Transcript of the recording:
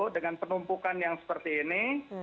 dengan penumpukan yang seperti ini